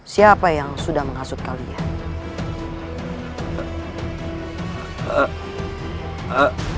siapa yang sudah menghasut kalian